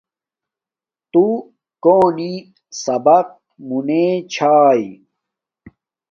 تݸ کݸنݵ سَبَق مُنُوݳ چھݳئی؟